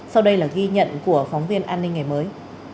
sau đây là ghi nhận của phóng viên an ninh ngày mới